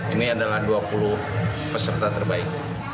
ini adalah dua puluh peserta terbaik